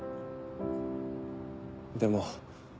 でも。